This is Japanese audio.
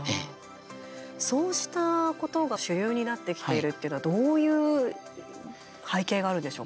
そうしたことが主流になってきてるっていうのはどういう背景があるんでしょうか。